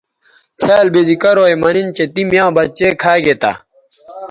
څھیال بے زی کرو یے مہ نِن تی میاں بچے کھا گے تھے